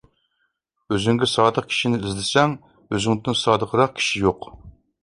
ئۆزۈڭگە سادىق كىشى ئىزدىسەڭ ئۆزۈڭدىن سادىقراق كىشى يوق.